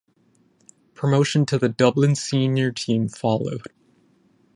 Promotion to the Dublin senior team followed.